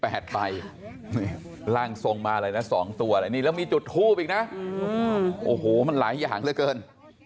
หาย๑๘ไปร่างทรงมาอะไรนะ๒ตัวอะไรแล้วมีจุดทูบอีกนะโอ้โหมันหลายอย่างเยอะเกิน